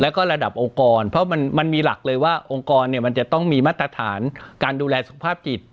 แล้วก็ระดับองค์กรเพราะมันมีหลักเลยว่าองค์กรเนี่ยมันจะต้องมีมาตรฐานการดูแลสุขภาพจิต